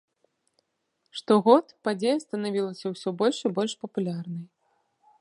Штогод падзея станавілася ўсё больш і больш папулярнай.